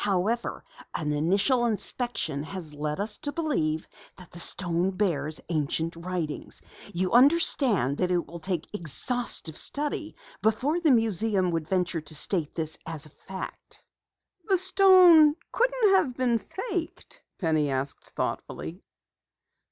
"However, an initial inspection has led us to believe that the stone bears ancient writings. You understand that it will take exhaustive study before the museum would venture to state this as a fact." "The stone couldn't have been faked?" Penny asked thoughtfully.